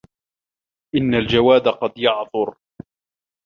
إن الجواد قد يعثر